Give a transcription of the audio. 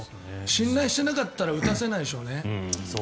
信頼していなかったら打たせないでしょうね。